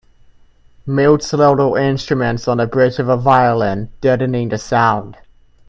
Mutes little instruments on the bridge of the violin, deadening the sound.